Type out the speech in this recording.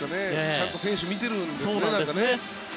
ちゃんと選手を見てるんですね。